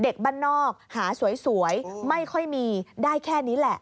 บ้านนอกหาสวยไม่ค่อยมีได้แค่นี้แหละ